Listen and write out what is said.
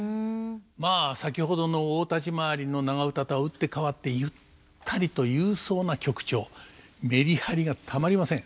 まあ先ほどの大立ち回りの長唄とは打って変わってメリハリがたまりません。